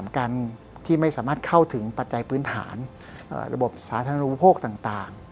การที่ไม่สามารถเข้าถึงปัจจัยพื้นฐานระบบสาธารณูปโภคต่าง